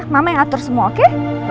mama yang atur semua oke